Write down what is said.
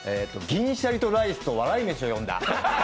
銀シャリとライスと笑い飯を呼んだ。